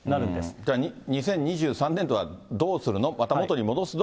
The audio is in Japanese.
だから、２０２３年度はどうするの、また元に戻すの？